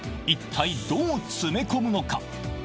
一体どう詰め込むのか？